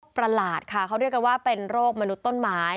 ประหลาดค่ะเขาเรียกกันว่าเป็นโรคมนุษย์ต้นไม้